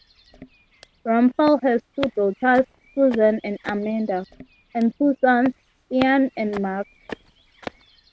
Ramphal has two daughters, Susan and Amanda, and two sons, Ian and Mark.